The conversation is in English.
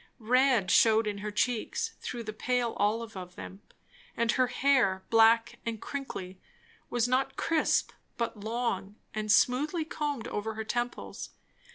Red shewed in her cheeks, through the pale olive of them; and her hair, black and crinkly, was not crisp but long, and smoothly combed over her temples.